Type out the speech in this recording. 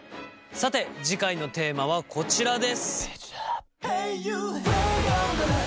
さて次回のテーマはこちらです。